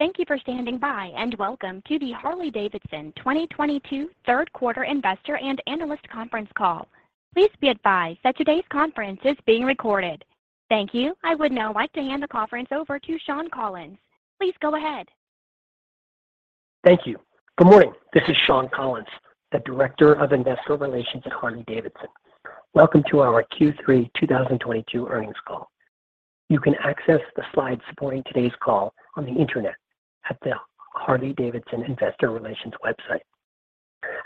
Thank you for standing by, and welcome to the Harley-Davidson 2022 third quarter investor and analyst conference call. Please be advised that today's conference is being recorded. Thank you. I would now like to hand the conference over to Shawn Collins. Please go ahead. Thank you. Good morning. This is Shawn Collins, the Director of Investor Relations at Harley-Davidson. Welcome to our Q3 2022 earnings call. You can access the slides supporting today's call on the Internet at the Harley-Davidson Investor Relations website.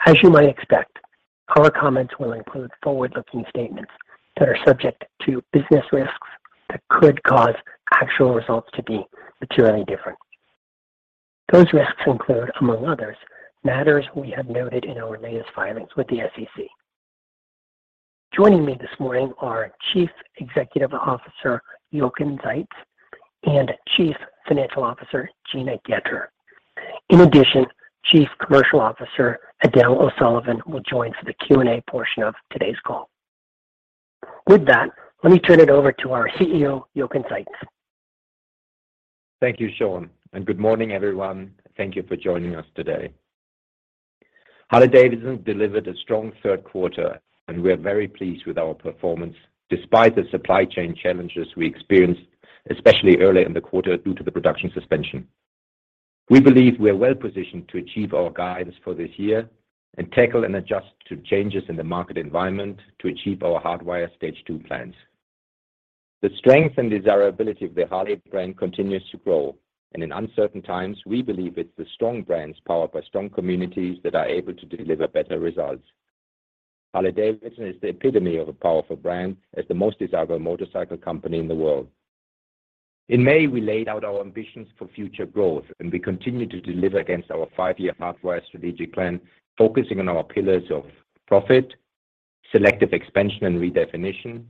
As you might expect, our comments will include forward-looking statements that are subject to business risks that could cause actual results to be materially different. Those risks include, among others, matters we have noted in our latest filings with the SEC. Joining me this morning are Chief Executive Officer Jochen Zeitz and Chief Financial Officer Gina Goetter. In addition, Chief Commercial Officer Edel O'Sullivan will join for the Q&A portion of today's call. With that, let me turn it over to our CEO, Jochen Zeitz. Thank you, Shawn, and good morning, everyone. Thank you for joining us today. Harley-Davidson delivered a strong third quarter, and we are very pleased with our performance despite the supply chain challenges we experienced, especially early in the quarter due to the production suspension. We believe we are well-positioned to achieve our guidance for this year and tackle and adjust to changes in the market environment to achieve our Hardwire Stage II plans. The strength and desirability of the Harley brand continues to grow, and in uncertain times, we believe it's the strong brands powered by strong communities that are able to deliver better results. Harley-Davidson is the epitome of a powerful brand as the most desirable motorcycle company in the world. In May, we laid out our ambitions for future growth, and we continue to deliver against our five-year Hardwire strategic plan, focusing on our pillars of profit, selective expansion and redefinition,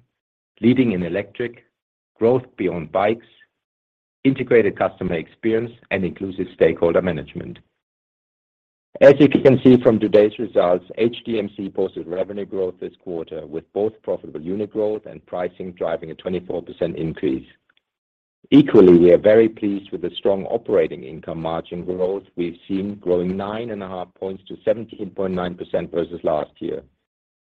leading in electric, growth beyond bikes, integrated customer experience, and inclusive stakeholder management. As you can see from today's results, HDMC posted revenue growth this quarter with both profitable unit growth and pricing driving a 24% increase. Equally, we are very pleased with the strong operating income margin growth we've seen growing 9.5 points to 17.9% versus last year,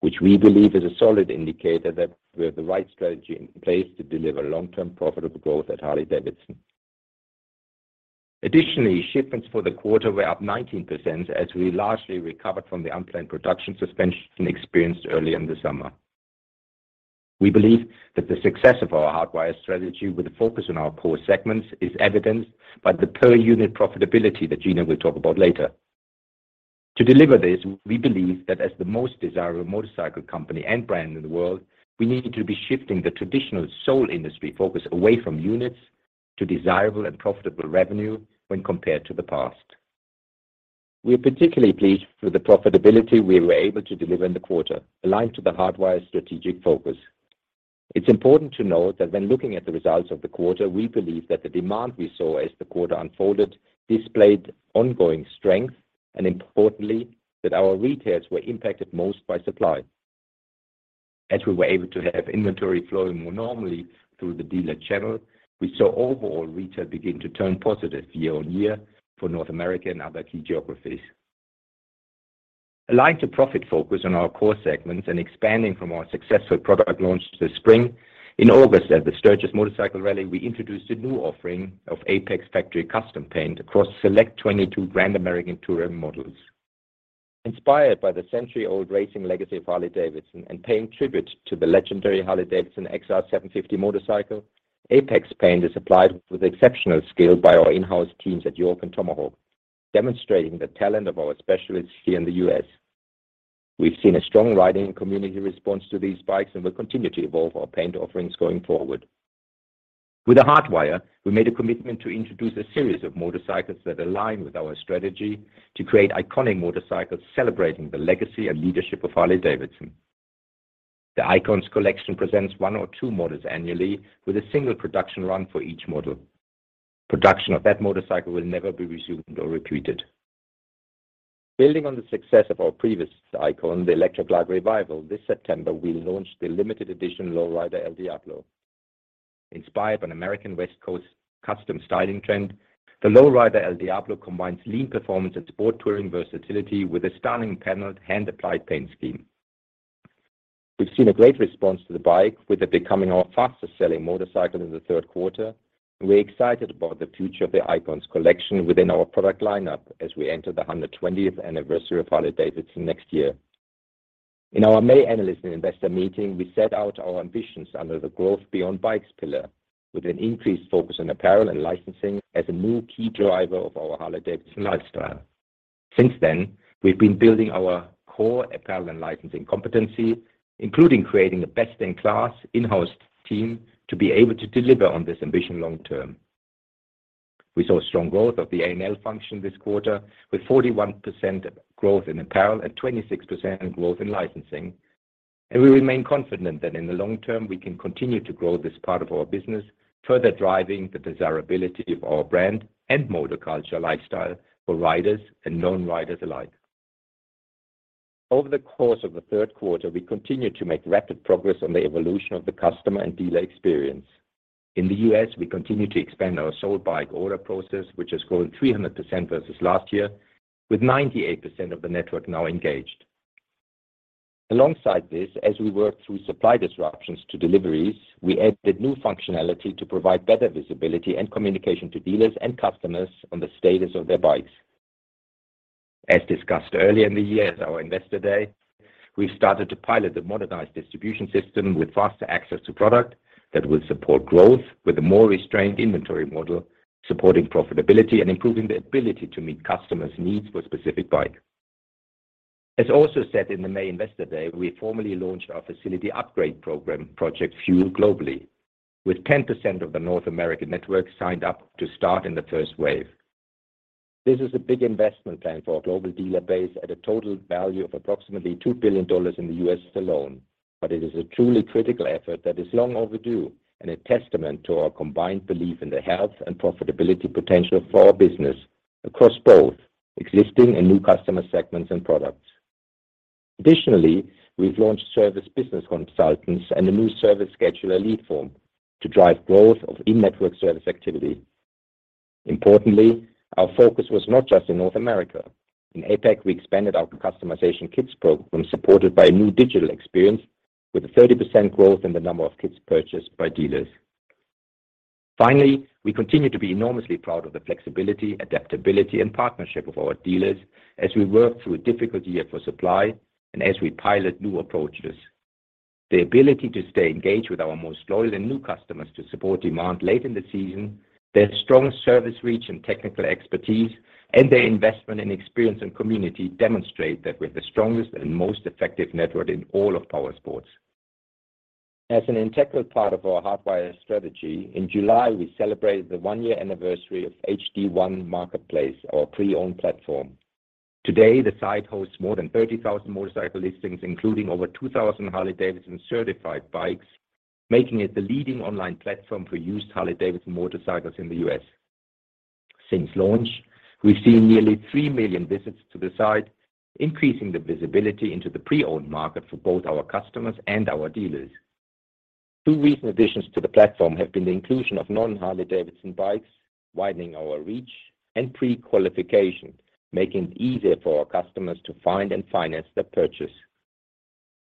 which we believe is a solid indicator that we have the right strategy in place to deliver long-term profitable growth at Harley-Davidson. Additionally, shipments for the quarter were up 19% as we largely recovered from the unplanned production suspension experienced early in the summer. We believe that the success of our Hardwire strategy with a focus on our core segments is evidenced by the per-unit profitability that Gina will talk about later. To deliver this, we believe that as the most desirable motorcycle company and brand in the world, we need to be shifting the traditional sole industry focus away from units to desirable and profitable revenue when compared to the past. We are particularly pleased with the profitability we were able to deliver in the quarter, aligned to the Hardwire strategic focus. It's important to note that when looking at the results of the quarter, we believe that the demand we saw as the quarter unfolded displayed ongoing strength, and importantly, that our retails were impacted most by supply. As we were able to have inventory flowing more normally through the dealer channel, we saw overall retail begin to turn positive year-over-year for North America and other key geographies. Aligned to profit focus on our core segments and expanding from our successful product launch this spring, in August at the Sturgis Motorcycle Rally, we introduced a new offering of Apex Factory Custom Paint across select 22 Grand American Touring models. Inspired by the century-old racing legacy of Harley-Davidson and paying tribute to the legendary Harley-Davidson XR750 motorcycle, Apex Paint is applied with exceptional skill by our in-house teams at York and Tomahawk, demonstrating the talent of our specialists here in the U.S. We've seen a strong riding community response to these bikes and will continue to evolve our paint offerings going forward. With The Hardwire, we made a commitment to introduce a series of motorcycles that align with our strategy to create iconic motorcycles celebrating the legacy and leadership of Harley-Davidson. The Icons Collection presents one or two models annually with a single production run for each model. Production of that motorcycle will never be resumed or repeated. Building on the success of our previous icon, the Electra Glide Revival, this September, we launched the limited edition Low Rider El Diablo. Inspired by an American West Coast custom styling trend, the Low Rider El Diablo combines lean performance and sport touring versatility with a stunning paneled hand-applied paint scheme. We've seen a great response to the bike, with it becoming our fastest-selling motorcycle in the third quarter. We're excited about the future of the Icons Collection within our product lineup as we enter the hundred and twentieth anniversary of Harley-Davidson next year. In our May analyst and investor meeting, we set out our ambitions under the growth beyond bikes pillar with an increased focus on apparel and licensing as a new key driver of our Harley-Davidson lifestyle. Since then, we've been building our core apparel and licensing competency, including creating a best-in-class in-house team to be able to deliver on this ambition long term. We saw strong growth of the A&L function this quarter, with 41% growth in apparel and 26% growth in licensing. We remain confident that in the long term, we can continue to grow this part of our business, further driving the desirability of our brand and motor culture lifestyle for riders and non-riders alike. Over the course of the third quarter, we continued to make rapid progress on the evolution of the customer and dealer experience. In the U.S., we continue to expand our sold bike order process, which has grown 300% versus last year, with 98% of the network now engaged. Alongside this, as we work through supply disruptions to deliveries, we added new functionality to provide better visibility and communication to dealers and customers on the status of their bikes. As discussed earlier in the year at our Investor Day, we started to pilot the modernized distribution system with faster access to product that will support growth with a more restrained inventory model, supporting profitability and improving the ability to meet customers' needs for specific bike. As also said in the May Investor Day, we formally launched our facility upgrade program, Project Fuel globally, globally, with 10% of the North American network signed up to start in the first wave. This is a big investment plan for our global dealer base at a total value of approximately $2 billion in the U.S. alone. It is a truly critical effort that is long overdue and a testament to our combined belief in the health and profitability potential for our business across both existing and new customer segments and products. Additionally, we've launched service business consultants and a new service scheduler lead form to drive growth of in-network service activity. Importantly, our focus was not just in North America. In APAC, we expanded our customization kits program, supported by a new digital experience with a 30% growth in the number of kits purchased by dealers. Finally, we continue to be enormously proud of the flexibility, adaptability, and partnership of our dealers as we work through a difficult year for supply and as we pilot new approaches. The ability to stay engaged with our most loyal and new customers to support demand late in the season, their strong service reach and technical expertise, and their investment in experience and community demonstrate that we're the strongest and most effective network in all of powersports. As an integral part of our Hardwire strategy, in July, we celebrated the one-year anniversary of H-D1 Marketplace, our pre-owned platform. Today, the site hosts more than 30,000 motorcycle listings, including over 2,000 Harley-Davidson certified bikes, making it the leading online platform for used Harley-Davidson motorcycles in the U.S. Since launch, we've seen nearly three million visits to the site, increasing the visibility into the pre-owned market for both our customers and our dealers. Two recent additions to the platform have been the inclusion of non-Harley-Davidson bikes, widening our reach, and pre-qualification, making it easier for our customers to find and finance their purchase.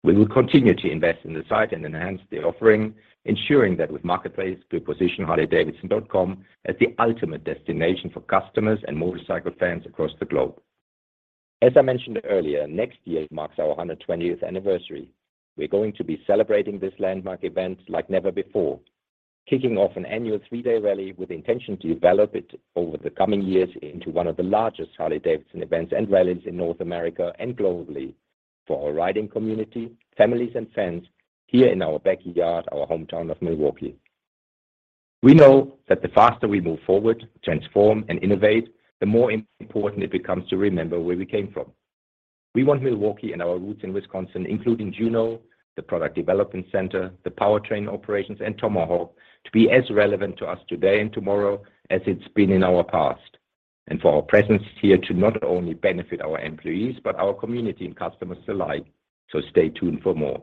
We will continue to invest in the site and enhance the offering, ensuring that with Marketplace, we position harley-davidson.com as the ultimate destination for customers and motorcycle fans across the globe. As I mentioned earlier, next year marks our 120th anniversary. We're going to be celebrating this landmark event like never before, kicking off an annual three-day rally with intention to develop it over the coming years into one of the largest Harley-Davidson events and rallies in North America and globally for our riding community, families, and fans here in our backyard, our hometown of Milwaukee. We know that the faster we move forward, transform, and innovate, the more important it becomes to remember where we came from. We want Milwaukee and our roots in Wisconsin, including Juneau, the Product Development Center, the Powertrain operations, and Tomahawk, to be as relevant to us today and tomorrow as it's been in our past, and for our presence here to not only benefit our employees, but our community and customers alike. Stay tuned for more.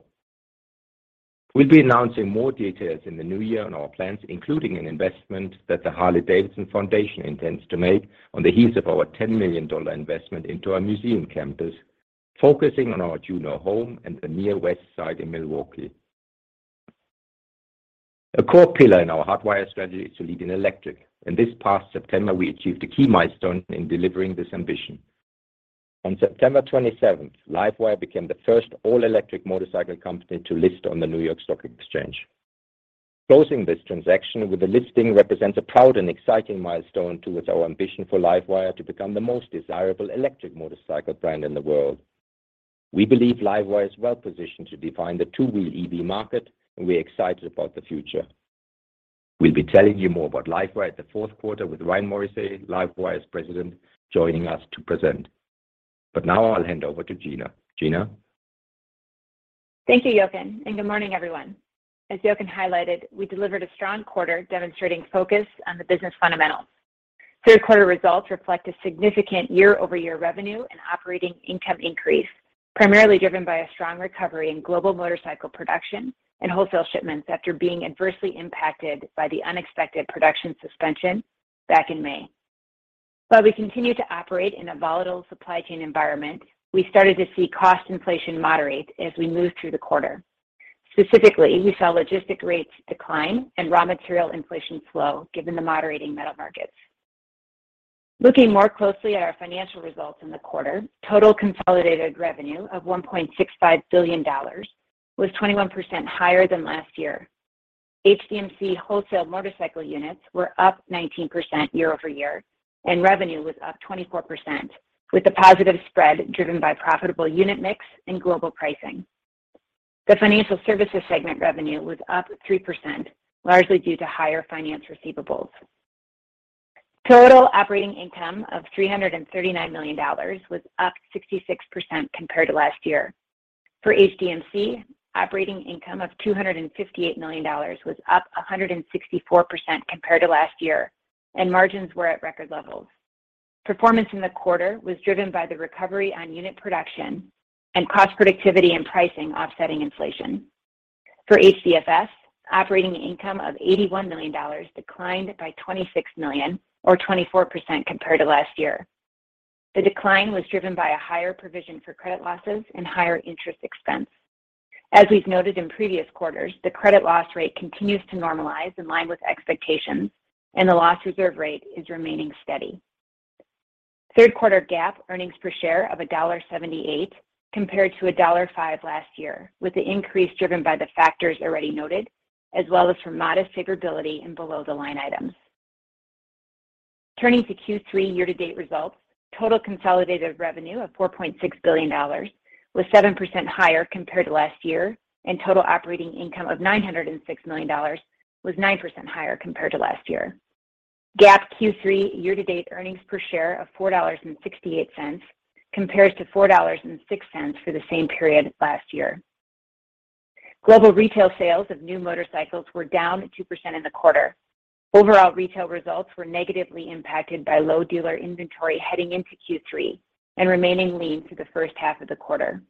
We'll be announcing more details in the new year on our plans, including an investment that the Harley-Davidson Foundation intends to make on the heels of our $10 million investment into our museum campus, focusing on our Juneau home and the Near West Side in Milwaukee. A core pillar in our Hardwire strategy is to lead in electric, and this past September, we achieved a key milestone in delivering this ambition. On September twenty-seventh, LiveWire became the first all-electric motorcycle company to list on the New York Stock Exchange. Closing this transaction with the listing represents a proud and exciting milestone towards our ambition for LiveWire to become the most desirable electric motorcycle brand in the world. We believe LiveWire is well-positioned to define the two-wheel EV market, and we're excited about the future. We'll be telling you more about LiveWire at the fourth quarter with Ryan Morrissey, LiveWire's President, joining us to present. Now I'll hand over to Gina. Gina? Thank you, Jochen, and good morning, everyone. As Jochen highlighted, we delivered a strong quarter demonstrating focus on the business fundamentals. Third quarter results reflect a significant year-over-year revenue and operating income increase, primarily driven by a strong recovery in global motorcycle production and wholesale shipments after being adversely impacted by the unexpected production suspension back in May. While we continue to operate in a volatile supply chain environment, we started to see cost inflation moderate as we moved through the quarter. Specifically, we saw logistic rates decline and raw material inflation slow given the moderating metal markets. Looking more closely at our financial results in the quarter, total consolidated revenue of $1.65 billion was 21% higher than last year. HDMC wholesale motorcycle units were up 19% year-over-year, and revenue was up 24%, with a positive spread driven by profitable unit mix and global pricing. The financial services segment revenue was up 3%, largely due to higher finance receivables. Total operating income of $339 million was up 66% compared to last year. For HDMC, operating income of $258 million was up 164% compared to last year, and margins were at record levels. Performance in the quarter was driven by the recovery on unit production and cost productivity and pricing offsetting inflation. For HDFS, operating income of $81 million declined by $26 million or 24% compared to last year. The decline was driven by a higher provision for credit losses and higher interest expense. As we've noted in previous quarters, the credit loss rate continues to normalize in line with expectations and the loss reserve rate is remaining steady. Third quarter GAAP earnings per share of $1.78 compared to $1.05 last year, with the increase driven by the factors already noted, as well as from modest favorability in below-the-line items. Turning to Q3 year-to-date results, total consolidated revenue of $4.6 billion was 7% higher compared to last year, and total operating income of $906 million was 9% higher compared to last year. GAAP Q3 year-to-date earnings per share of $4.68 compares to $4.06 for the same period last year. Global retail sales of new motorcycles were down 2% in the quarter. Overall retail results were negatively impacted by low dealer inventory heading into Q3 and remaining lean through the first half of the quarter.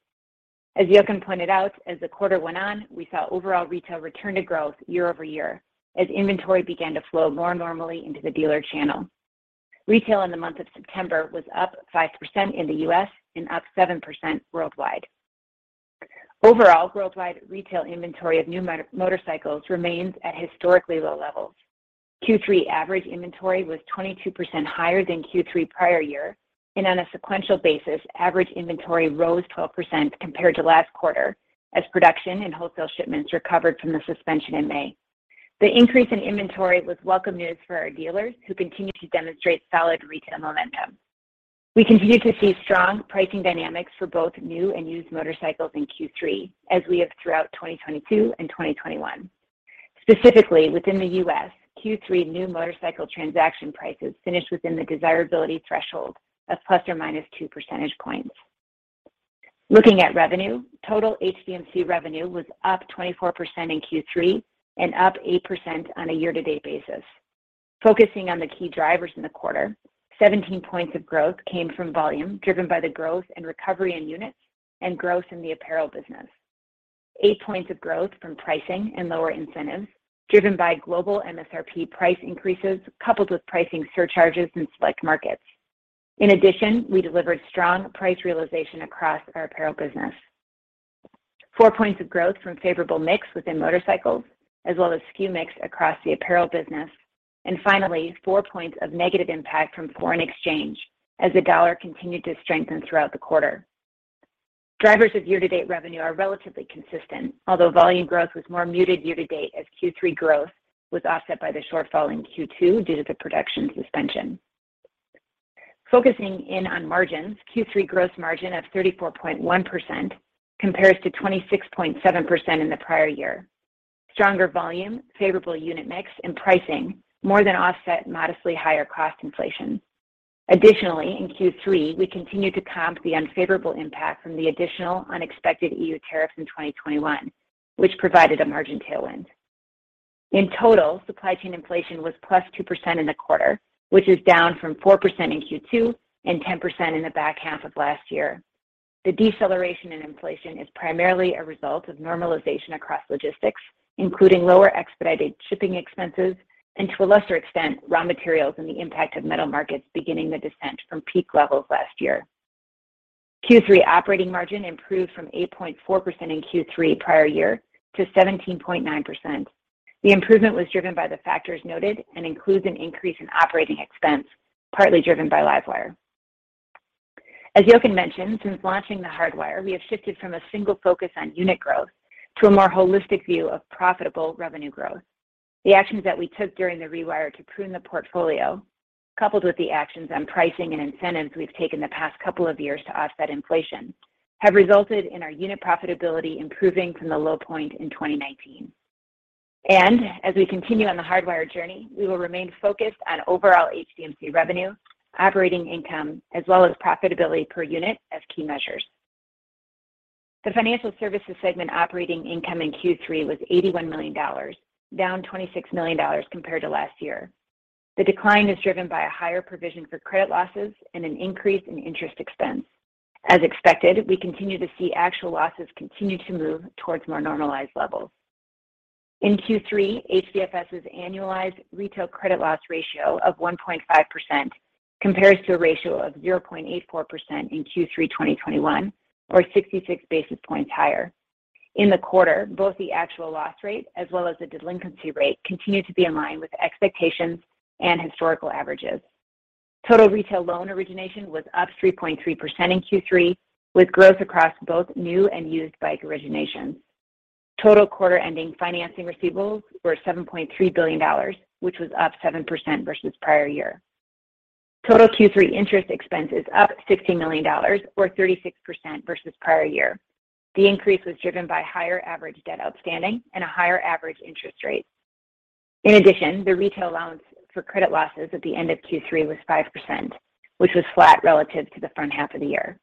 As Jochen pointed out, as the quarter went on, we saw overall retail return to growth year-over-year as inventory began to flow more normally into the dealer channel. Retail in the month of September was up 5% in the U.S. and up 7% worldwide. Overall, worldwide retail inventory of new motorcycles remains at historically low levels. Q3 average inventory was 22% higher than Q3 prior year and on a sequential basis, average inventory rose 12% compared to last quarter as production and wholesale shipments recovered from the suspension in May. The increase in inventory was welcome news for our dealers who continue to demonstrate solid retail momentum. We continue to see strong pricing dynamics for both new and used motorcycles in Q3, as we have throughout 2022 and 2021. Specifically, within the U.S., Q3 new motorcycle transaction prices finished within the desirability threshold of ±2 percentage points. Looking at revenue, total HDMC revenue was up 24% in Q3 and up 8% on a year-to-date basis. Focusing on the key drivers in the quarter, 17 points of growth came from volume driven by the growth and recovery in units and growth in the apparel business. Eight points of growth from pricing and lower incentives driven by global MSRP price increases coupled with pricing surcharges in select markets. In addition, we delivered strong price realization across our apparel business. Four points of growth from favorable mix within motorcycles, as well as SKU mix across the apparel business. Finally, four points of negative impact from foreign exchange as the dollar continued to strengthen throughout the quarter. Drivers of year-to-date revenue are relatively consistent, although volume growth was more muted year-to-date as Q3 growth was offset by the shortfall in Q2 due to the production suspension. Focusing in on margins, Q3 gross margin of 34.1% compares to 26.7% in the prior year. Stronger volume, favorable unit mix, and pricing more than offset modestly higher cost inflation. Additionally, in Q3, we continued to comp the unfavorable impact from the additional unexpected EU tariffs in 2021, which provided a margin tailwind. In total, supply chain inflation was +2% in the quarter, which is down from 4% in Q2 and 10% in the back half of last year. The deceleration in inflation is primarily a result of normalization across logistics, including lower expedited shipping expenses and to a lesser extent, raw materials and the impact of metal markets beginning the descent from peak levels last year. Q3 operating margin improved from 8.4% in Q3 prior year to 17.9%. The improvement was driven by the factors noted and includes an increase in operating expense, partly driven by LiveWire. As Jochen mentioned, since launching the Hardwire, we have shifted from a single focus on unit growth to a more holistic view of profitable revenue growth. The actions that we took during the Rewire to prune the portfolio, coupled with the actions on pricing and incentives we've taken the past couple of years to offset inflation, have resulted in our unit profitability improving from the low point in 2019. As we continue on the Hardwire journey, we will remain focused on overall HDMC revenue, operating income, as well as profitability per unit as key measures. The Financial Services segment operating income in Q3 was $81 million, down $26 million compared to last year. The decline is driven by a higher provision for credit losses and an increase in interest expense. As expected, we continue to see actual losses continue to move towards more normalized levels. In Q3, HDFS's annualized retail credit loss ratio of 1.5% compares to a ratio of 0.84% in Q3 2021 or 66 basis points higher. In the quarter, both the actual loss rate as well as the delinquency rate continued to be in line with expectations and historical averages. Total retail loan origination was up 3.3% in Q3, with growth across both new and used bike originations. Total quarter-ending financing receivables were $7.3 billion, which was up 7% versus prior year. Total Q3 interest expense is up $16 million or 36% versus prior year. The increase was driven by higher average debt outstanding and a higher average interest rate. In addition, the retail allowance for credit losses at the end of Q3 was 5%, which was flat relative to the front half of the year.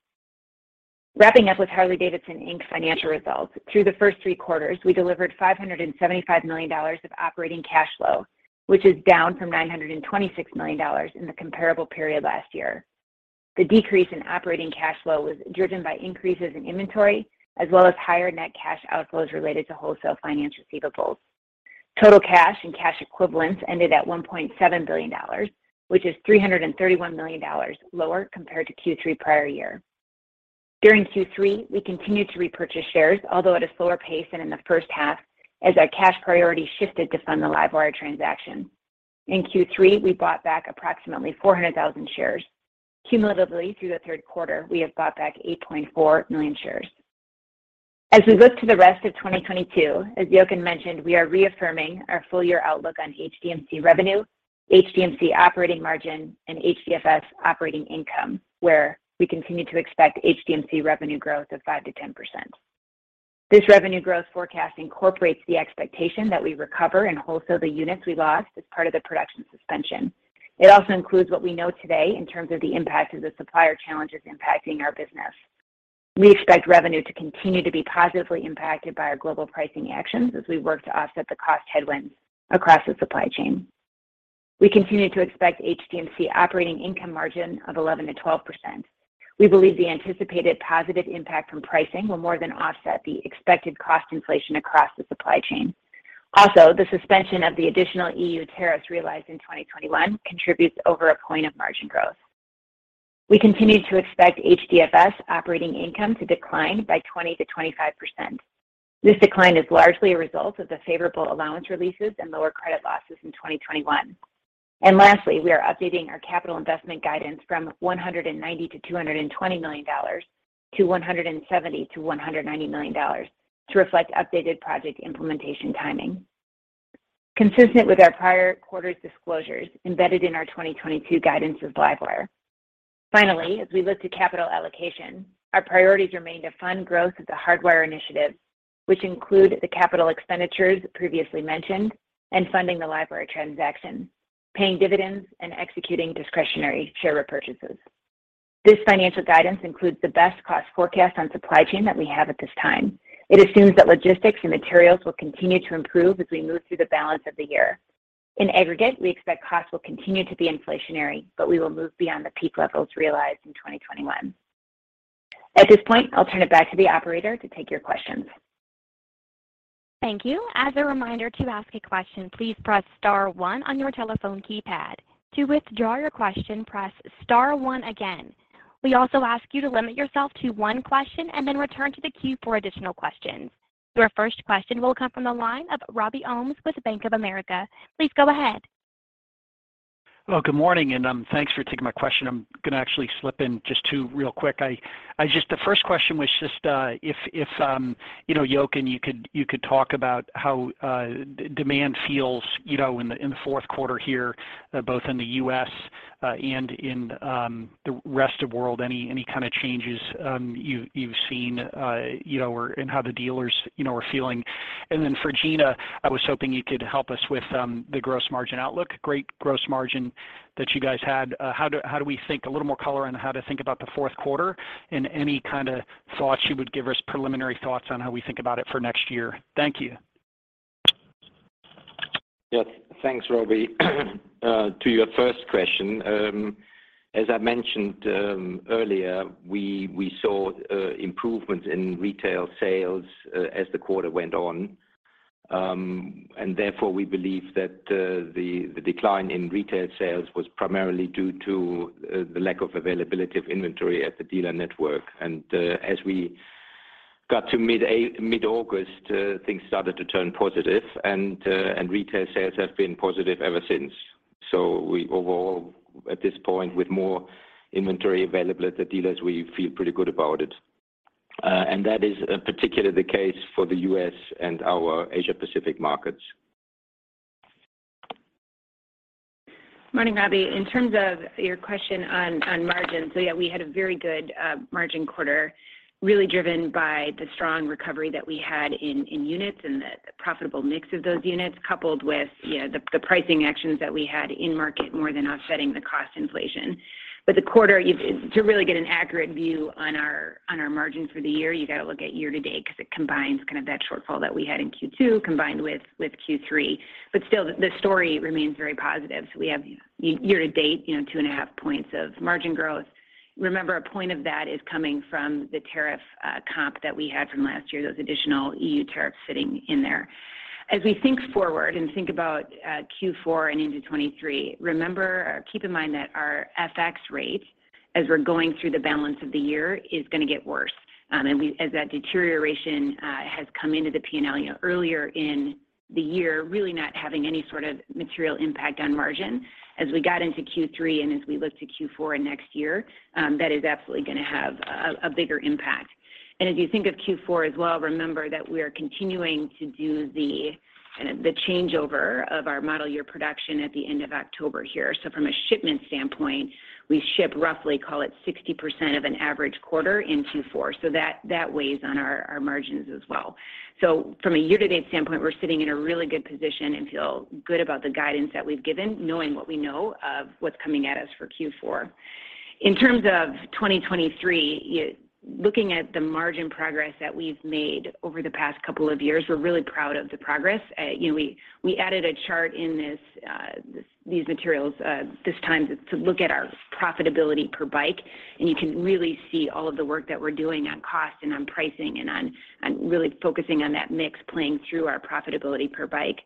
Wrapping up with Harley-Davidson, Inc financial results, through the first three quarters, we delivered $575 million of operating cash flow, which is down from $926 million in the comparable period last year. The decrease in operating cash flow was driven by increases in inventory as well as higher net cash outflows related to wholesale finance receivables. Total cash and cash equivalents ended at $1.7 billion, which is $331 million lower compared to Q3 prior year. During Q3, we continued to repurchase shares, although at a slower pace than in the first half as our cash priority shifted to fund the LiveWire transaction. In Q3, we bought back approximately 400,000 shares. Cumulatively through the third quarter, we have bought back 8.4 million shares. As we look to the rest of 2022, as Jochen mentioned, we are reaffirming our full year outlook on HDMC revenue, HDMC operating margin, and HDFS operating income, where we continue to expect HDMC revenue growth of 5%-10%. This revenue growth forecast incorporates the expectation that we recover and wholesale the units we lost as part of the production suspension. It also includes what we know today in terms of the impact of the supplier challenges impacting our business. We expect revenue to continue to be positively impacted by our global pricing actions as we work to offset the cost headwinds across the supply chain. We continue to expect HDMC operating income margin of 11%-12%. We believe the anticipated positive impact from pricing will more than offset the expected cost inflation across the supply chain. Also, the suspension of the additional EU tariffs realized in 2021 contributes over a point of margin growth. We continue to expect HDFS operating income to decline by 20%-25%. This decline is largely a result of the favorable allowance releases and lower credit losses in 2021. Lastly, we are updating our capital investment guidance from $190 million-$220 million to $170 million-$190 million to reflect updated project implementation timing. Consistent with our prior quarter's disclosures embedded in our 2022 guidance of LiveWire. Finally, as we look to capital allocation, our priorities remain to fund growth of the Hardwire initiative, which include the capital expenditures previously mentioned and funding the LiveWire transaction, paying dividends, and executing discretionary share repurchases. This financial guidance includes the best cost forecast on supply chain that we have at this time. It assumes that logistics and materials will continue to improve as we move through the balance of the year. In aggregate, we expect costs will continue to be inflationary, but we will move beyond the peak levels realized in 2021. At this point, I'll turn it back to the operator to take your questions. Thank you. As a reminder, to ask a question, please press star one on your telephone keypad. To withdraw your question, press star one again. We also ask you to limit yourself to one question and then return to the queue for additional questions. Your first question will come from the line of Robin Farley with Bank of America. Please go ahead. Well, good morning, and thanks for taking my question. I'm gonna actually slip in just two real quick. The first question was just if you know, Jochen, you could talk about how demand feels, you know, in the fourth quarter here, both in the U.S. and in the rest of world, any kind of changes you've seen, you know, or in how the dealers, you know, are feeling. Then for Gina, I was hoping you could help us with the gross margin outlook. Great gross margin that you guys had. How do we think a little more color on how to think about the fourth quarter and any kind of thoughts you would give us, preliminary thoughts on how we think about it for next year? Thank you. Yes. Thanks, Robbie. To your first question, as I mentioned earlier, we saw improvements in retail sales as the quarter went on. Therefore, we believe that the decline in retail sales was primarily due to the lack of availability of inventory at the dealer network. As we got to mid-August, things started to turn positive and retail sales have been positive ever since. We overall, at this point, with more inventory available at the dealers, feel pretty good about it. That is particularly the case for the U.S. and our Asia Pacific markets. Morning, Robin. In terms of your question on margins, so yeah, we had a very good margin quarter, really driven by the strong recovery that we had in units and the profitable mix of those units, coupled with, you know, the pricing actions that we had in market more than offsetting the cost inflation. But the quarter to really get an accurate view on our margins for the year, you got to look at year to date because it combines kind of that shortfall that we had in Q2 combined with Q3. But still, the story remains very positive. So we have year to date, you know, 2.5 points of margin growth. Remember, a point of that is coming from the tariff comp that we had from last year, those additional EU tariffs sitting in there. As we think forward and think about Q4 and into 2023, remember or keep in mind that our FX rate as we're going through the balance of the year is gonna get worse. As that deterioration has come into the P&L, you know, earlier in the year, really not having any sort of material impact on margin. As we got into Q3 and as we look to Q4 and next year, that is absolutely gonna have a bigger impact. As you think of Q4 as well, remember that we are continuing to do the changeover of our model year production at the end of October here. From a shipment standpoint, we ship roughly, call it 60% of an average quarter in Q4. That weighs on our margins as well. From a year-to-date standpoint, we're sitting in a really good position and feel good about the guidance that we've given, knowing what we know of what's coming at us for Q4. In terms of 2023, looking at the margin progress that we've made over the past couple of years, we're really proud of the progress. You know, we added a chart in these materials this time to look at our profitability per bike, and you can really see all of the work that we're doing on cost and on pricing and on really focusing on that mix playing through our profitability per bike.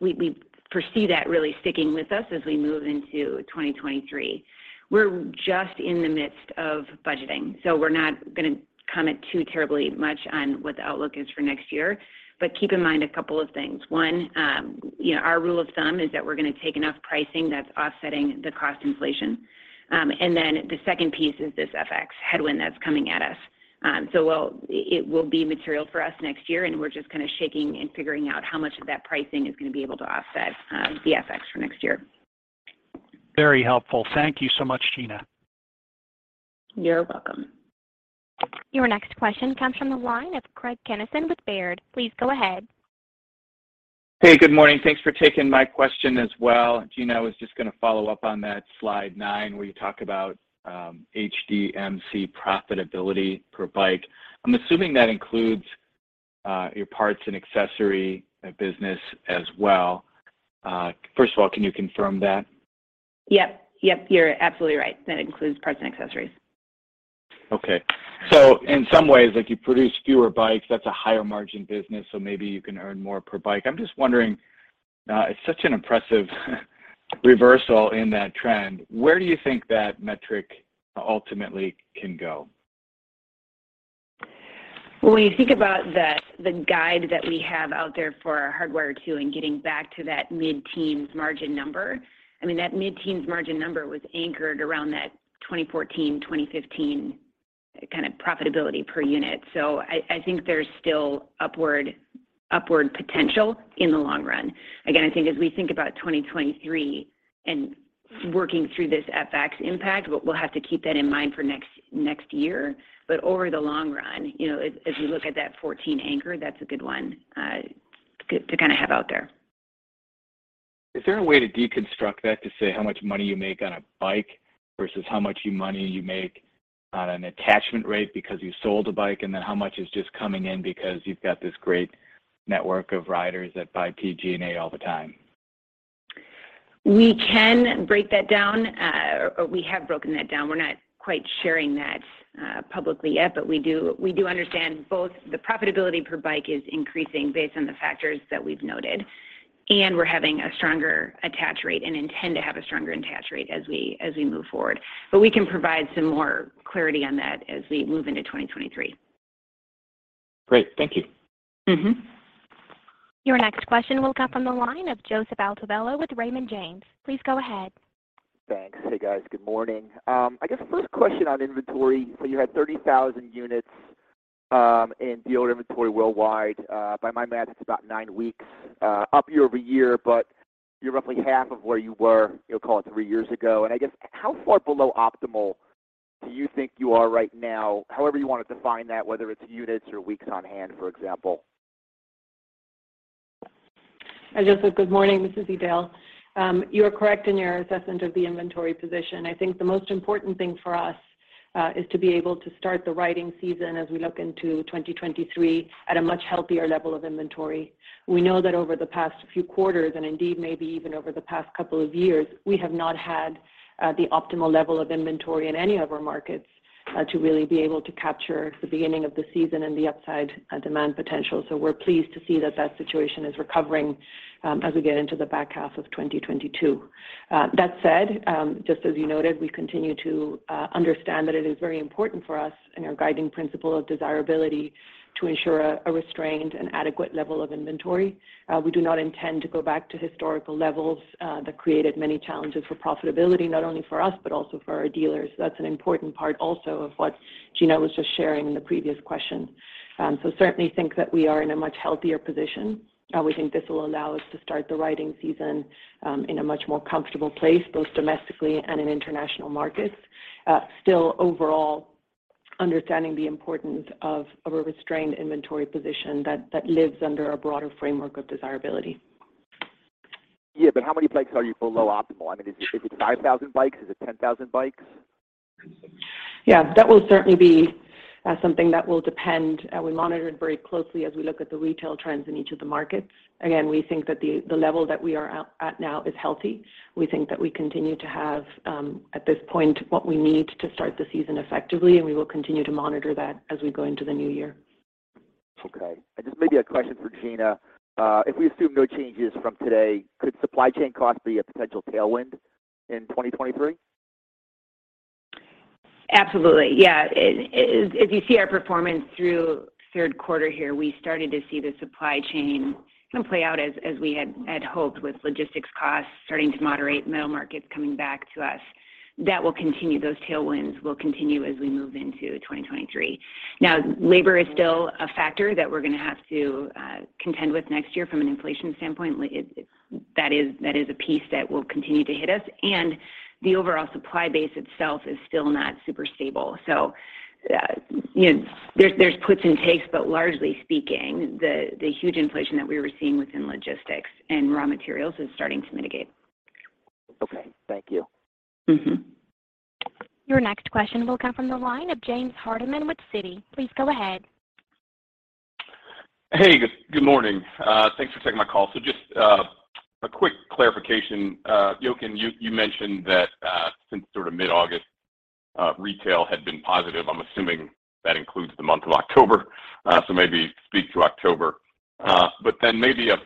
We foresee that really sticking with us as we move into 2023. We're just in the midst of budgeting, so we're not gonna comment too terribly much on what the outlook is for next year. Keep in mind a couple of things. One, you know, our rule of thumb is that we're gonna take enough pricing that's offsetting the cost inflation. The second piece is this FX headwind that's coming at us. It will be material for us next year, and we're just kinda shaking and figuring out how much of that pricing is gonna be able to offset the FX for next year. Very helpful. Thank you so much, Gina. You're welcome. Your next question comes from the line of Craig Kennison with Baird. Please go ahead. Hey, good morning. Thanks for taking my question as well. Gina, I was just gonna follow up on that slide 9 where you talk about HDMC profitability per bike. I'm assuming that includes your parts and accessory business as well. First of all, can you confirm that? Yep, you're absolutely right. That includes parts and accessories. Okay. In some ways, like you produce fewer bikes, that's a higher margin business, so maybe you can earn more per bike. I'm just wondering, it's such an impressive reversal in that trend. Where do you think that metric ultimately can go? When you think about the guide that we have out there for our Hardwire two and getting back to that mid-teens margin number, I mean, that mid-teens margin number was anchored around that 2014, 2015 kinda profitability per unit. I think there's still upward potential in the long run. Again, I think as we think about 2023 and working through this FX impact, we'll have to keep that in mind for next year. Over the long run, you know, as we look at that 2014 anchor, that's a good one to get to kinda have out there. Is there a way to deconstruct that to say how much money you make on a bike versus how much money you make on an attachment rate because you sold a bike, and then how much is just coming in because you've got this great network of riders that buy PG&A all the time? We can break that down. We have broken that down. We're not quite sharing that publicly yet, but we do understand both the profitability per bike is increasing based on the factors that we've noted, and we're having a stronger attach rate and intend to have a stronger attach rate as we move forward. We can provide some more clarity on that as we move into 2023. Great. Thank you. Mm-hmm. Your next question will come from the line of Joseph Altobello with Raymond James. Please go ahead. Thanks. Hey, guys. Good morning. I guess first question on inventory. You had 30,000 units in dealer inventory worldwide. By my math, it's about nine weeks up year-over-year, but you're roughly half of where you were, you know, call it three years ago. I guess how far below optimal do you think you are right now, however you wanna define that, whether it's units or weeks on hand, for example? Joseph, good morning. This is Edel. You are correct in your assessment of the inventory position. I think the most important thing for us is to be able to start the riding season as we look into 2023 at a much healthier level of inventory. We know that over the past few quarters, and indeed maybe even over the past couple of years, we have not had the optimal level of inventory in any of our markets to really be able to capture the beginning of the season and the upside demand potential. We're pleased to see that that situation is recovering as we get into the back half of 2022. That said, just as you noted, we continue to understand that it is very important for us in our guiding principle of desirability to ensure a restrained and adequate level of inventory. We do not intend to go back to historical levels that created many challenges for profitability, not only for us but also for our dealers. That's an important part also of what Gina was just sharing in the previous question. Certainly think that we are in a much healthier position. We think this will allow us to start the riding season in a much more comfortable place, both domestically and in international markets. Still overall understanding the importance of a restrained inventory position that lives under a broader framework of desirability. Yeah. How many bikes are you below optimal? I mean, is it 5,000 bikes? Is it 10,000 bikes? Yeah. That will certainly be something that will depend. We monitor it very closely as we look at the retail trends in each of the markets. Again, we think that the level that we are at now is healthy. We think that we continue to have at this point what we need to start the season effectively, and we will continue to monitor that as we go into the new year. Okay. Just maybe a question for Gina. If we assume no changes from today, could supply chain costs be a potential tailwind in 2023? Absolutely. Yeah. As you see our performance through third quarter here, we started to see the supply chain kinda play out as we had hoped with logistics costs starting to moderate, middle markets coming back to us. That will continue. Those tailwinds will continue as we move into 2023. Now, labor is still a factor that we're gonna have to contend with next year from an inflation standpoint. That is a piece that will continue to hit us, and the overall supply base itself is still not super stable. Yeah, you know, there's puts and takes, but largely speaking, the huge inflation that we were seeing within logistics and in terms of raw materials is starting to mitigate. Okay. Thank you. Mm-hmm. Your next question will come from the line of James Hardiman with Citi. Please go ahead. Hey, good morning. Thanks for taking my call. Just a quick clarification. Jochen, you mentioned that since sort of mid-August, retail had been positive. I'm assuming that includes the month of October. Maybe speak to October. Maybe a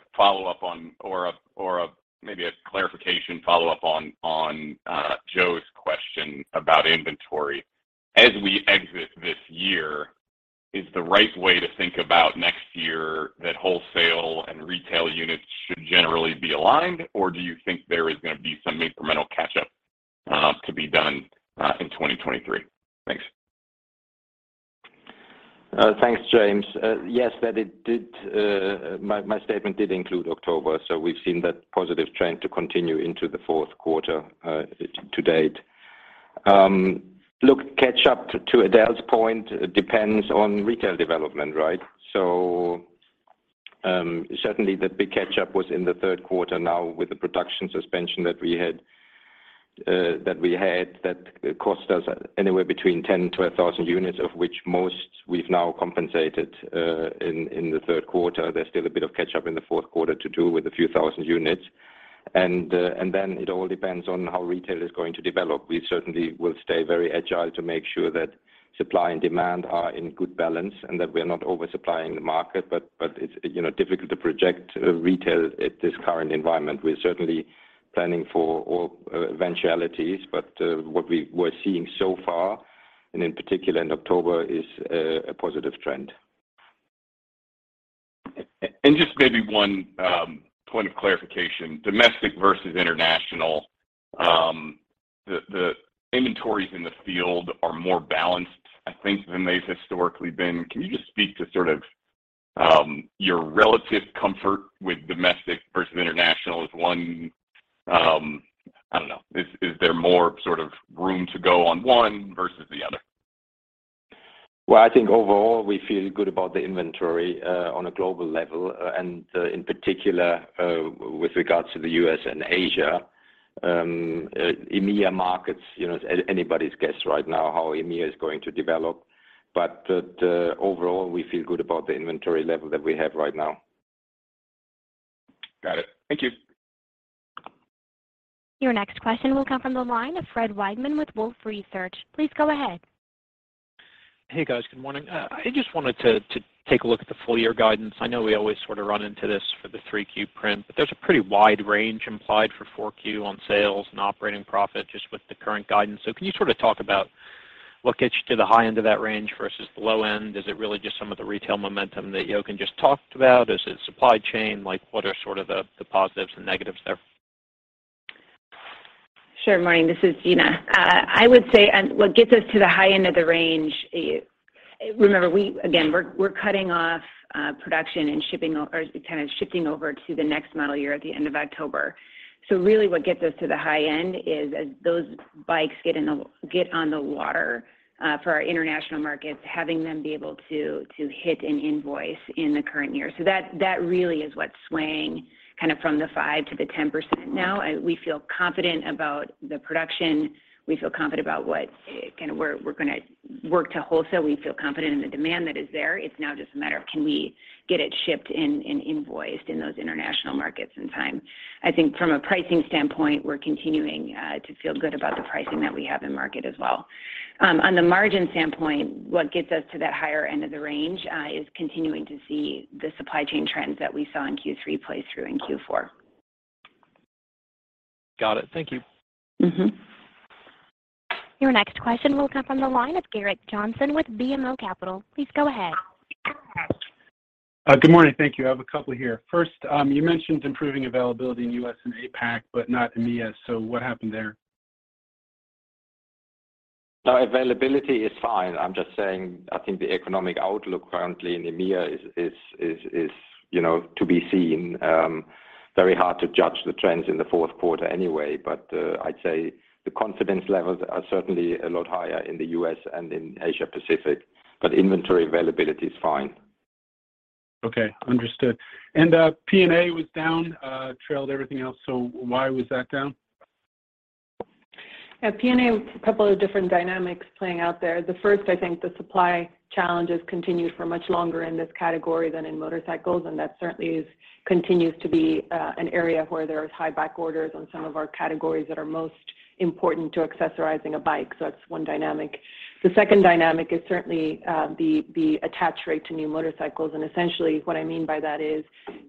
clarification follow-up on Joe's question about inventory. As we exit this year, is the right way to think about next year that wholesale and retail units should generally be aligned, or do you think there is gonna be some incremental catch-up to be done in 2023? Thanks. Thanks, James. Yes, that it did. My statement did include October, so we've seen that positive trend continue into the fourth quarter to date. Catch-up, to Edel's point, depends on retail development, right? Certainly the big catch-up was in the third quarter now with the production suspension that we had that cost us anywhere between 10,000-12,000 units, of which most we've now compensated in the third quarter. There's still a bit of catch-up in the fourth quarter to do with a few thousand units. Then it all depends on how retail is going to develop. We certainly will stay very agile to make sure that supply and demand are in good balance and that we're not oversupplying the market. It's, you know, difficult to project retail at this current environment. We're certainly planning for all eventualities, but what we were seeing so far, and in particular in October, is a positive trend. Just maybe one point of clarification, domestic versus international. The inventories in the field are more balanced, I think, than they've historically been. Can you just speak to sort of your relative comfort with domestic versus international as one. I don't know. Is there more sort of room to go on one versus the other? Well, I think overall we feel good about the inventory on a global level and in particular with regards to the U.S. and Asia. EMEA markets, you know, it's anybody's guess right now how EMEA is going to develop. Overall, we feel good about the inventory level that we have right now. Got it. Thank you. Your next question will come from the line of Fred Wightman with Wolfe Research. Please go ahead. Hey, guys. Good morning. I just wanted to take a look at the full year guidance. I know we always sort of run into this for the 3Q print, but there's a pretty wide range implied for 4Q on sales and operating profit just with the current guidance. Can you sort of talk about what gets you to the high end of that range versus the low end? Is it really just some of the retail momentum that Jochen just talked about? Is it supply chain? Like, what are sort of the positives and negatives there? Sure. Morning. This is Gina. I would say, what gets us to the high end of the range. Remember, again, we're cutting off production and shipping or kind of shifting over to the next model year at the end of October. Really what gets us to the high end is as those bikes get on the water for our international markets, having them be able to hit an invoice in the current year. That really is what's swaying kind of from the 5%-10% now. We feel confident about the production. We feel confident about what we're gonna work to wholesale. We feel confident in the demand that is there. It's now just a matter of can we get it shipped and invoiced in those international markets in time. I think from a pricing standpoint, we're continuing to feel good about the pricing that we have in market as well. On the margin standpoint, what gets us to that higher end of the range is continuing to see the supply chain trends that we saw in Q3 play through in Q4. Got it. Thank you. Mm-hmm. Your next question will come from the line of Gerrick Johnson with BMO Capital. Please go ahead. Good morning. Thank you. I have a couple here. First, you mentioned improving availability in U.S. and APAC, but not EMEA. What happened there? No, availability is fine. I'm just saying I think the economic outlook currently in EMEA is, you know, to be seen. Very hard to judge the trends in the fourth quarter anyway. I'd say the confidence levels are certainly a lot higher in the U.S. and in Asia-Pacific, but inventory availability is fine. Okay. Understood. P&A was down, trailed everything else. Why was that down? Yeah, P&A, a couple of different dynamics playing out there. The first, I think, the supply challenges continued for much longer in this category than in motorcycles, and that certainly continues to be an area where there's high back orders on some of our categories that are most important to accessorizing a bike. So that's one dynamic. The second dynamic is certainly the attach rate to new motorcycles. Essentially what I mean by that is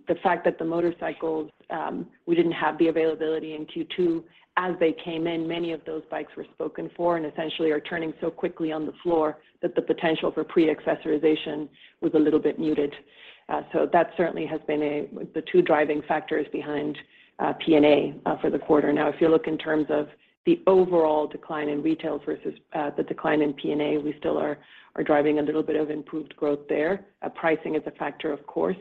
the fact that the motorcycles we didn't have the availability in Q2 as they came in. Many of those bikes were spoken for and essentially are turning so quickly on the floor that the potential for pre-accessorization was a little bit muted. So that certainly has been the two driving factors behind P&A for the quarter. Now, if you look in terms of the overall decline in retail versus the decline in P&A, we still are driving a little bit of improved growth there. Pricing is a factor, of course.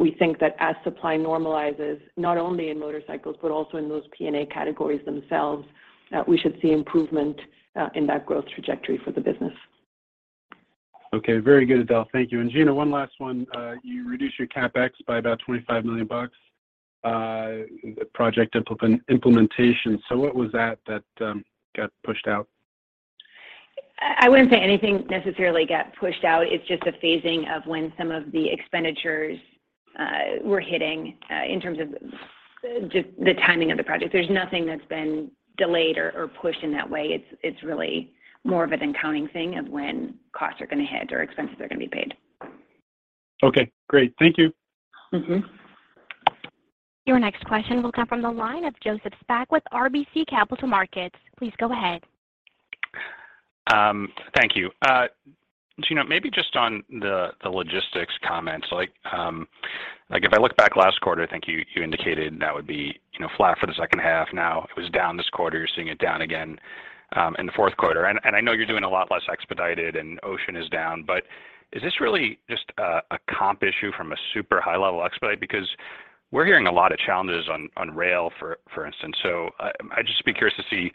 We think that as supply normalizes, not only in motorcycles but also in those P&A categories themselves, we should see improvement in that growth trajectory for the business. Okay. Very good, Edel. Thank you. Gina, one last one. You reduced your CapEx by about $25 million, project implementation. What was that got pushed out? I wouldn't say anything necessarily got pushed out. It's just a phasing of when some of the expenditures were hitting in terms of just the timing of the project. There's nothing that's been delayed or pushed in that way. It's really more of an accounting thing of when costs are gonna hit or expenses are gonna be paid. Okay, great. Thank you. Mm-hmm. Your next question will come from the line of Joseph Spak with RBC Capital Markets. Please go ahead. Thank you. Gina, maybe just on the logistics comments, like, if I look back last quarter, I think you indicated that would be, you know, flat for the second half. Now it was down this quarter. You're seeing it down again in the fourth quarter. I know you're doing a lot less expedited and ocean is down, but is this really just a comp issue from a super high level expedite? Because we're hearing a lot of challenges on rail for instance. I'd just be curious to see,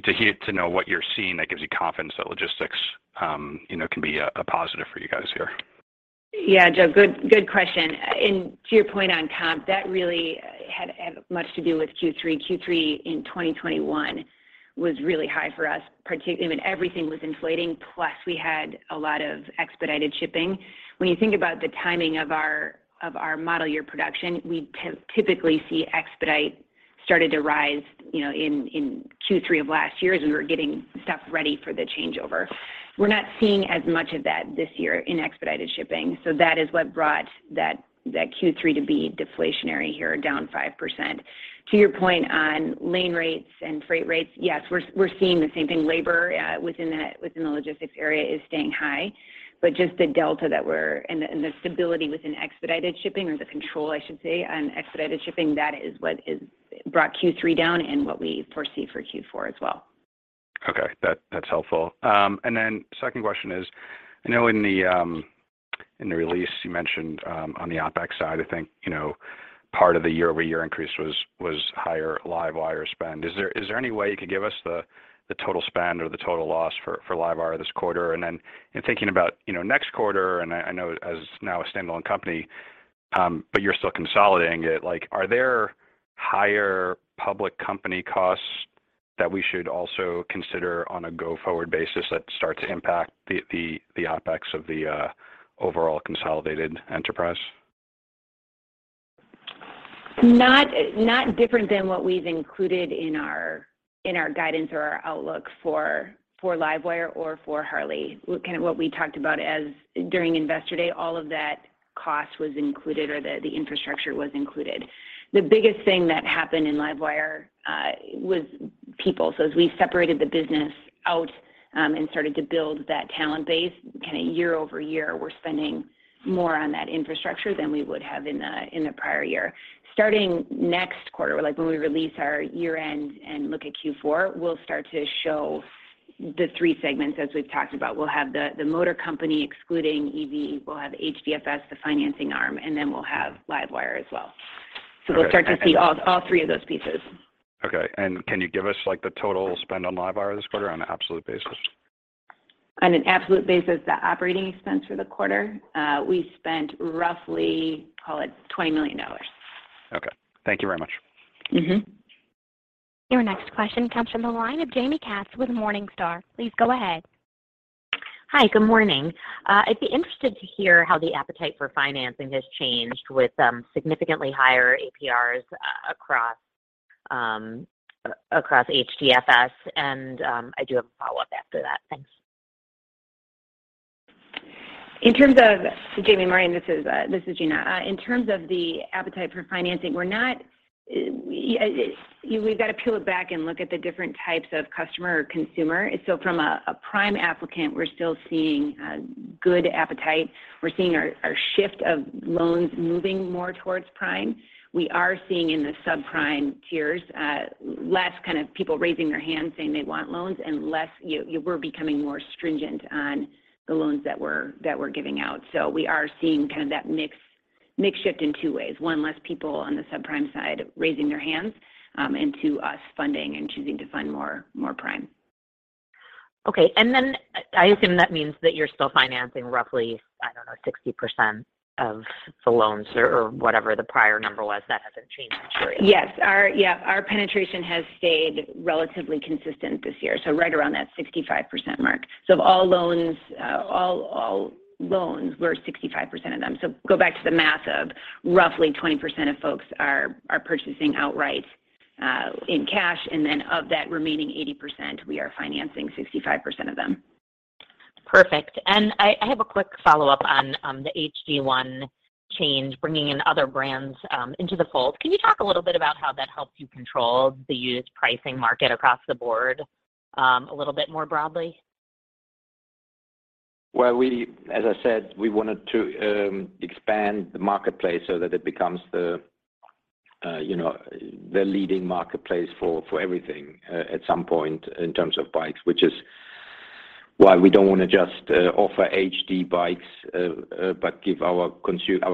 to hear, to know what you're seeing that gives you confidence that logistics, you know, can be a positive for you guys here. Yeah, Joe, good question. To your point on comp, that really had much to do with Q3. Q3 in 2021 was really high for us. I mean, everything was inflating, plus we had a lot of expedited shipping. When you think about the timing of our model year production, we typically see expedited started to rise, you know, in Q3 of last year as we were getting stuff ready for the changeover. We're not seeing as much of that this year in expedited shipping, so that is what brought that Q3 to be deflationary here, down 5%. To your point on lane rates and freight rates, yes, we're seeing the same thing. Labor within the logistics area is staying high, but just the delta that we're. The stability within expedited shipping or the control, I should say, on expedited shipping, that is what is brought Q3 down and what we foresee for Q4 as well. Okay. That's helpful. Second question is, I know in the release you mentioned on the OpEx side, I think, you know, part of the year-over-year increase was higher LiveWire spend. Is there any way you could give us the total spend or the total loss for LiveWire this quarter? In thinking about, you know, next quarter, and I know as now a standalone company, but you're still consolidating it, like, are there higher public company costs that we should also consider on a go-forward basis that start to impact the OpEx of the overall consolidated enterprise? Not different than what we've included in our guidance or our outlook for LiveWire or for Harley. What we talked about during Investor Day, all of that cost was included or the infrastructure was included. The biggest thing that happened in LiveWire was people. As we separated the business out and started to build that talent base kinda year over year, we're spending more on that infrastructure than we would have in the prior year. Starting next quarter, like when we release our year-end and look at Q4, we'll start to show the three segments as we've talked about. We'll have the motor company excluding EV. We'll have HDFS, the financing arm, and then we'll have LiveWire as well. Okay. We'll start to see all three of those pieces. Okay. Can you give us like the total spend on LiveWire this quarter on an absolute basis? On an absolute basis, the operating expense for the quarter, we spent roughly, call it $20 million. Okay. Thank you very much. Mm-hmm. Your next question comes from the line of Jaime Katz with Morningstar. Please go ahead. Hi. Good morning. I'd be interested to hear how the appetite for financing has changed with significantly higher APRs across HDFS and I do have a follow-up after that. Thanks. In terms of Jaime, morning, this is Gina. In terms of the appetite for financing, you know, we've got to peel it back and look at the different types of customer or consumer. From a prime applicant, we're still seeing a good appetite. We're seeing our shift of loans moving more towards prime. We are seeing in the subprime tiers less kind of people raising their hands saying they want loans and less, you know, we're becoming more stringent on the loans that we're giving out. We are seeing kind of that mix shift in two ways, one, less people on the subprime side raising their hands, and two, us funding and choosing to fund more prime. Okay. I assume that means that you're still financing roughly, I don't know, 60% of the loans or whatever the prior number was. That hasn't changed materially. Yes. Our penetration has stayed relatively consistent this year, right around that 65% mark. Of all loans, we're 65% of them. Go back to the math of roughly 20% of folks are purchasing outright in cash, and then of that remaining 80%, we are financing 65% of them. Perfect. I have a quick follow-up on the H-D1 change, bringing in other brands into the fold. Can you talk a little bit about how that helps you control the used pricing market across the board, a little bit more broadly? Well, we, as I said, we wanted to expand the marketplace so that it becomes the, you know, the leading marketplace for everything at some point in terms of bikes, which is why we don't wanna just offer H-D bikes, but give our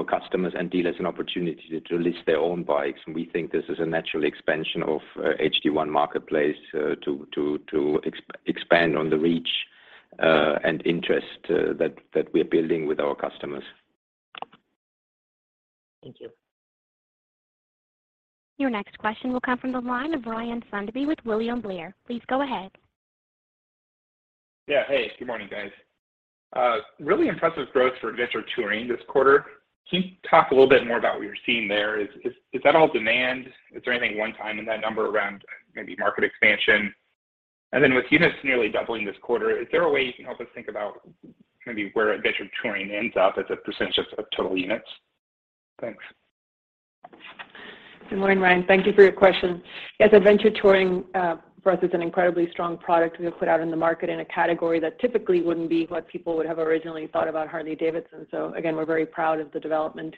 customers and dealers an opportunity to list their own bikes. We think this is a natural expansion of the H-D1 Marketplace to expand on the reach and interest that we're building with our customers. Thank you. Your next question will come from the line of Ryan Sundby with William Blair. Please go ahead. Yeah. Hey, good morning, guys. Really impressive growth for Adventure Touring this quarter. Can you talk a little bit more about what you're seeing there? Is that all demand? Is there anything one time in that number around maybe market expansion? With units nearly doubling this quarter, is there a way you can help us think about maybe where Adventure Touring ends up as a percentage of total units? Thanks. Good morning, Ryan. Thank you for your question. Yes, Adventure Touring, for us is an incredibly strong product we have put out in the market in a category that typically wouldn't be what people would have originally thought about Harley-Davidson. We're very proud of the development.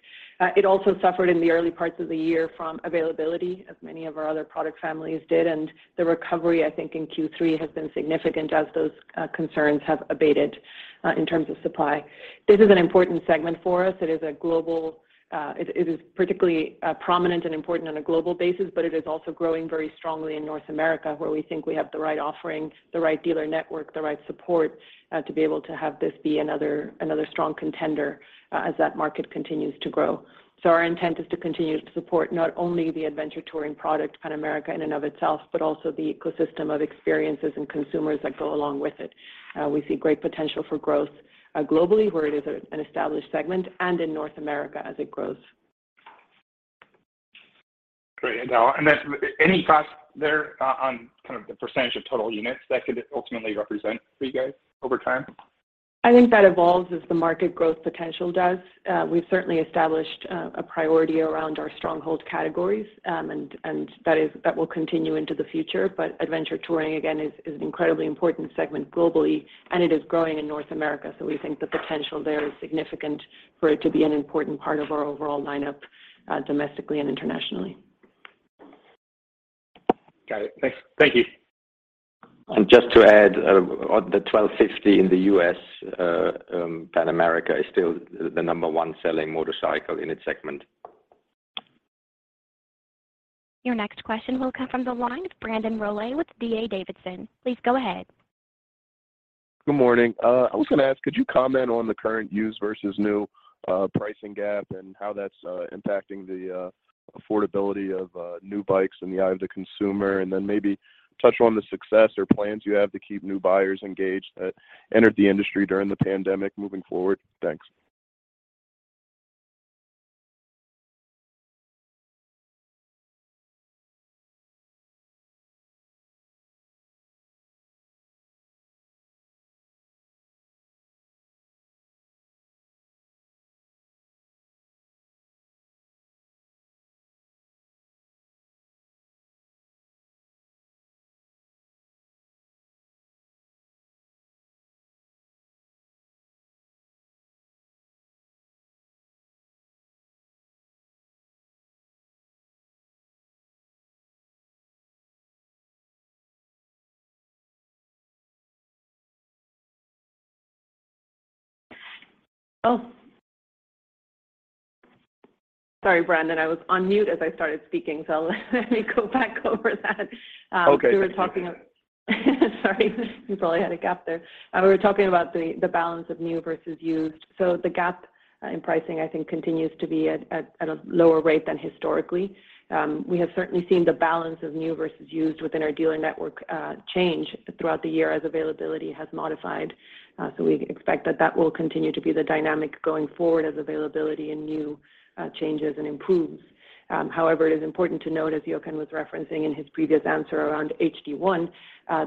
It also suffered in the early parts of the year from availability as many of our other product families did, and the recovery, I think, in Q3 has been significant as those concerns have abated, in terms of supply. This is an important segment for us. It is particularly prominent and important on a global basis, but it is also growing very strongly in North America, where we think we have the right offering, the right dealer network, the right support to be able to have this be another strong contender as that market continues to grow. Our intent is to continue to support not only the Adventure Touring product Pan America in and of itself, but also the ecosystem of experiences and consumers that go along with it. We see great potential for growth globally where it is an established segment and in North America as it grows. Great. Then any thoughts there on kind of the percentage of total units that could ultimately represent for you guys over time? I think that evolves as the market growth potential does. We've certainly established a priority around our stronghold categories, and that will continue into the future. Adventure Touring, again, is an incredibly important segment globally, and it is growing in North America. We think the potential there is significant for it to be an important part of our overall lineup, domestically and internationally. Got it. Thanks. Thank you. Just to add, the 1250 in the U.S., Pan America is still the number one selling motorcycle in its segment. Your next question will come from the line of Brandon Rollins with D.A. Davidson. Please go ahead. Good morning. I was gonna ask, could you comment on the current used versus new pricing gap and how that's impacting the affordability of new bikes in the eye of the consumer? Maybe touch on the success or plans you have to keep new buyers engaged that entered the industry during the pandemic moving forward. Thanks. Oh. Sorry, Brandon. I was on mute as I started speaking, so let me go back over that. Okay. We were talking. We probably had a gap there. We were talking about the balance of new versus used. The gap in pricing, I think, continues to be at a lower rate than historically. We have certainly seen the balance of new versus used within our dealer network change throughout the year as availability has modified. We expect that will continue to be the dynamic going forward as availability in new changes and improves. However, it is important to note, as Jochen was referencing in his previous answer around H-D1,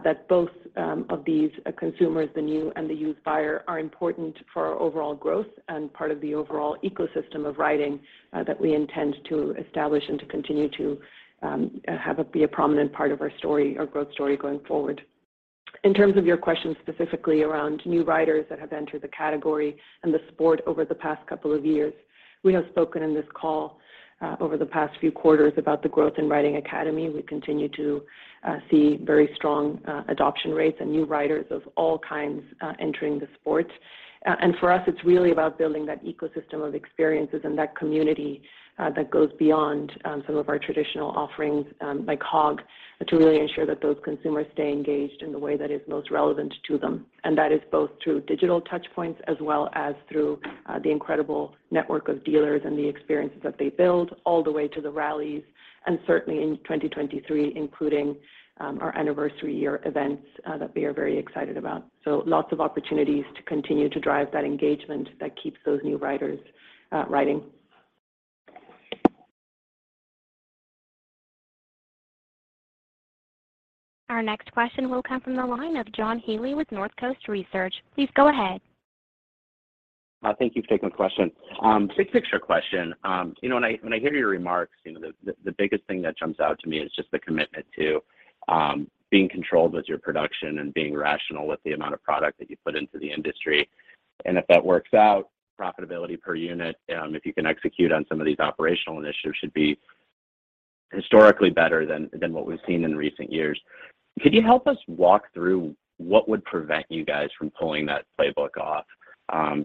that both of these consumers, the new and the used buyer, are important for our overall growth and part of the overall ecosystem of riding, that we intend to establish and to continue to have it be a prominent part of our story, our growth story going forward. In terms of your question specifically around new riders that have entered the category and the sport over the past couple of years, we have spoken in this call over the past few quarters about the growth in Riding Academy. We continue to see very strong adoption rates and new riders of all kinds entering the sport. For us, it's really about building that ecosystem of experiences and that community that goes beyond some of our traditional offerings like HOG to really ensure that those consumers stay engaged in the way that is most relevant to them. That is both through digital touch points as well as through the incredible network of dealers and the experiences that they build all the way to the rallies, and certainly in 2023, including our anniversary year events that we are very excited about. Lots of opportunities to continue to drive that engagement that keeps those new riders riding. Our next question will come from the line of John Healy with Northcoast Research. Please go ahead. Thank you for taking the question. Big picture question. You know, when I hear your remarks, you know, the biggest thing that jumps out to me is just the commitment to being controlled with your production and being rational with the amount of product that you put into the industry. If that works out, profitability per unit, if you can execute on some of these operational initiatives should be historically better than what we've seen in recent years. Could you help us walk through what would prevent you guys from pulling that playbook off?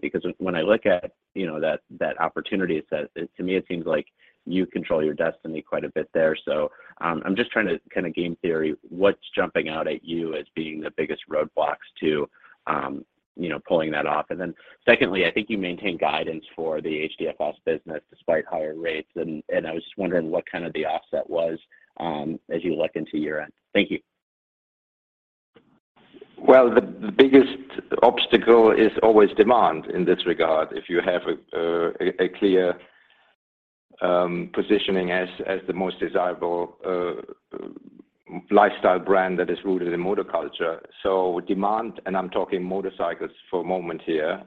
Because when I look at, you know, that opportunity to me it seems like you control your destiny quite a bit there. I'm just trying to kinda game theory what's jumping out at you as being the biggest roadblocks to, you know, pulling that off. Then secondly, I think you maintain guidance for the HDFS business despite higher rates. I was just wondering what kind of the offset was, as you look into year-end. Thank you. Well, the biggest obstacle is always demand in this regard. If you have a clear positioning as the most desirable lifestyle brand that is rooted in motor culture. Demand, and I'm talking motorcycles for a moment here,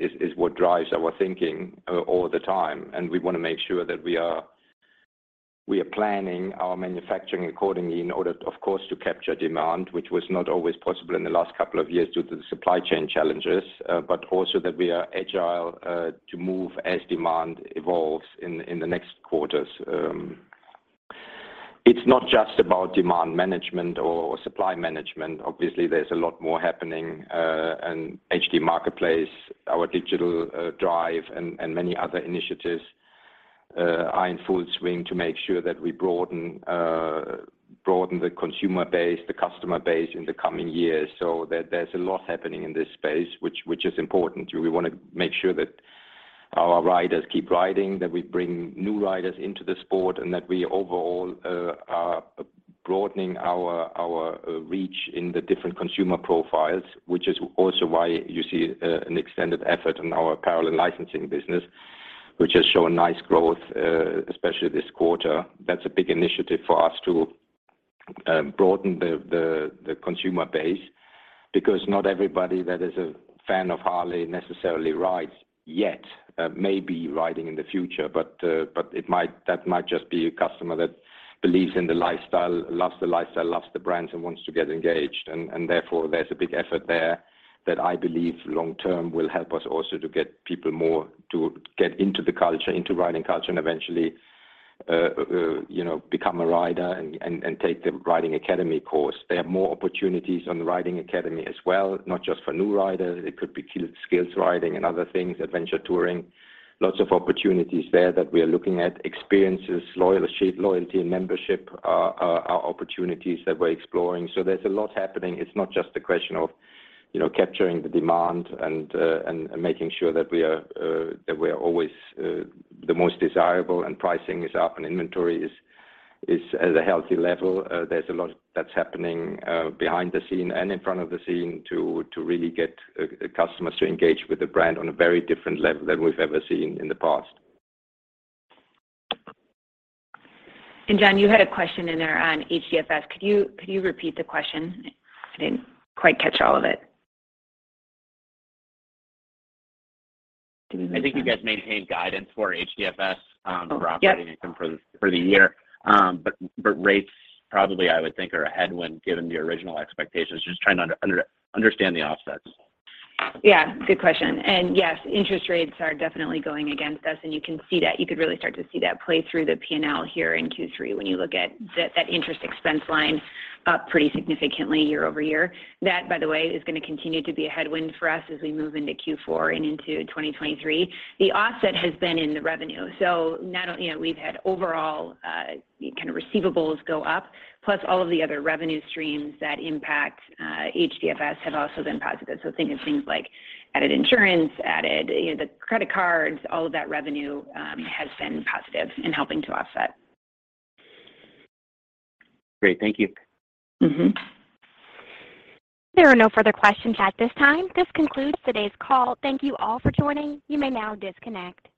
is what drives our thinking all the time. We wanna make sure that we are planning our manufacturing accordingly in order, of course, to capture demand, which was not always possible in the last couple of years due to the supply chain challenges. Also that we are agile to move as demand evolves in the next quarters. It's not just about demand management or supply management. Obviously, there's a lot more happening and H-D1 Marketplace, our digital drive and many other initiatives are in full swing to make sure that we broaden the consumer base, the customer base in the coming years. There's a lot happening in this space, which is important. We wanna make sure that our riders keep riding, that we bring new riders into the sport, and that we overall are broadening our reach in the different consumer profiles, which is also why you see an extended effort in our apparel and licensing business, which has shown nice growth, especially this quarter. That's a big initiative for us to broaden the consumer base because not everybody that is a fan of Harley necessarily rides yet. May be riding in the future, but that might just be a customer that believes in the lifestyle, loves the lifestyle, loves the brands, and wants to get engaged. Therefore, there's a big effort there that I believe long-term will help us also to get people more, to get into the culture, into riding culture, and eventually, you know, become a rider and take the Riding Academy course. They have more opportunities on the Riding Academy as well, not just for new riders. It could be skills riding and other things, Adventure Touring. Lots of opportunities there that we are looking at. Experiences, loyalty and membership are opportunities that we're exploring. There's a lot happening. It's not just a question of, you know, capturing the demand and making sure that we are always the most desirable and pricing is up and inventory is at a healthy level. There's a lot that's happening behind the scenes and in front of the scenes to really get customers to engage with the brand on a very different level than we've ever seen in the past. John, you had a question in there on HDFS. Could you repeat the question? I didn't quite catch all of it. I think you guys maintained guidance for HDFS for operating income for the year. Rates probably I would think are a headwind given your original expectations. Just trying to understand the offsets. Yeah, good question. Yes, interest rates are definitely going against us, and you can see that. You could really start to see that play through the P&L here in Q3 when you look at that interest expense line up pretty significantly year-over-year. That, by the way, is gonna continue to be a headwind for us as we move into Q4 and into 2023. The offset has been in the revenue. Not only, you know, we've had overall kind of receivables go up, plus all of the other revenue streams that impact HDFS have also been positive. Think of things like added insurance, added, you know, the credit cards, all of that revenue has been positive in helping to offset. Great. Thank you. Mm-hmm. There are no further questions at this time. This concludes today's call. Thank you all for joining. You may now disconnect.